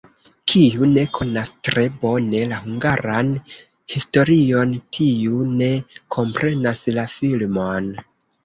Kiu ne konas tre bone la hungaran historion, tiu ne komprenas la filmon.